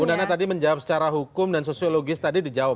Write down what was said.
bu nana tadi menjawab secara hukum dan sosiologis tadi dijawab